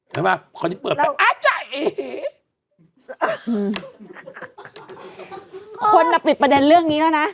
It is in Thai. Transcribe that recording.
เห็นไหมคนจะเปิดแบบอ้าวจ้ะอีคนมาปิดประเด็นเรื่องนี้แล้วนะ